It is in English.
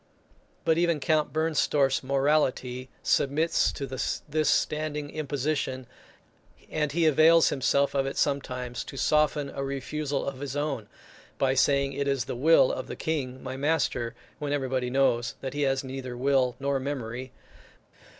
But even Count Bernstorff's morality submits to this standing imposition; and he avails himself of it sometimes, to soften a refusal of his own, by saying it is the will of the King, my master, when everybody knows that he has neither will nor memory.